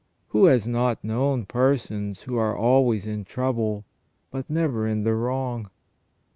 Who has not known persons who are always in trouble, but never in the wrong?